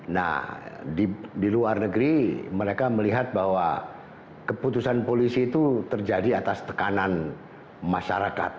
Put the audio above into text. nah di luar negeri mereka melihat bahwa keputusan polisi itu terjadi atas tekanan masyarakat